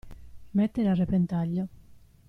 Mettere a repentaglio.